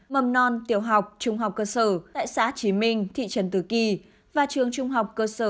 mầm non tiểu học trung học cơ sở tại xã trí minh thị trấn tứ kỳ và trường trung học cơ sở